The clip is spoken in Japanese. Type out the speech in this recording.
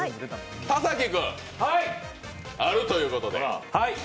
田崎君、あるということで。